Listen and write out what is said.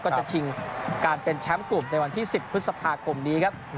จะชิงการเป็นแชมป์กลุ่มในวันที่๑๐พฤษภาคมนี้ครับ